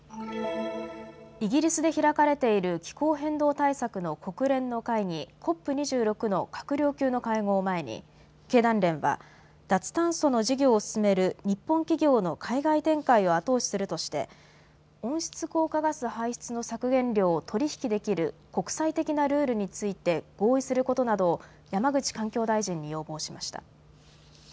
イギリスで開かれている気候変動対策の国連の会議、ＣＯＰ２６の閣僚級の会合を前に経団連は脱炭素の事業を進める日本企業の海外展開を後押しするとして温室効果ガス排出の削減量を取り引きできる国際的なルールについて合意することなどを山口環境大臣に要望しました。